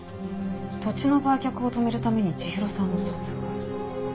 土地の売却を止めるために千尋さんを殺害。